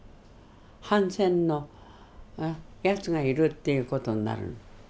反戦のやつがいるっていう事になるの。